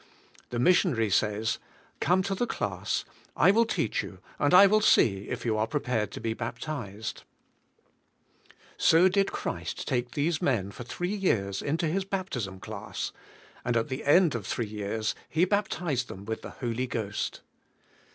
The missionary says, "Come to the class; I will teach BK FILLED WITH THE SPIRIT. 75 you and I will see if jou are prepared to be bap tized." So did Christ take these men for three years into His baptism class, and at the end of three years He baptized them with the Holy Ghost.